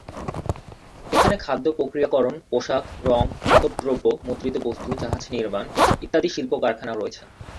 এখানে খাদ্য প্রক্রিয়াকরণ, পোশাক, রঙ, ধাতব দ্রব্য, মুদ্রিত বস্তু, জাহাজ নির্মাণ, ইত্যাদির শিল্প কারখানা আছে।